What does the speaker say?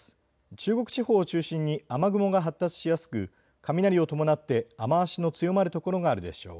中国地方を中心に雨雲が発達しやすく雷を伴って雨足の強まる所があるでしょう。